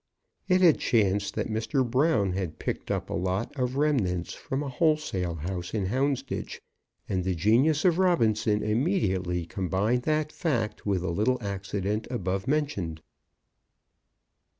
It had chanced that Mr. Brown had picked up a lot of remnants from a wholesale house in Houndsditch, and the genius of Robinson immediately combined that fact with the little accident above mentioned.